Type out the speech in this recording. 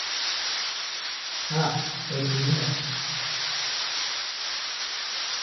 Α, έτσι είναι;